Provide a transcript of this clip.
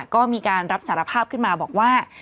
ก็มีการรับสารภาพขึ้นมาบอกว่า